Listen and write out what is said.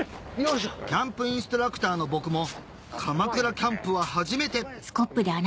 キャンプインストラクターの僕もかまくらキャンプは初めて重たい！